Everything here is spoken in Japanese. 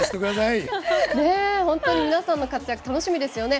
本当に皆さんの活躍楽しみですよね。